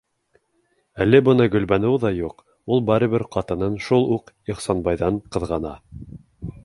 Әле бына Гөлбаныу ҙа юҡ, ул барыбер ҡатынын шул уҡ Ихсанбайҙан ҡыҙғана.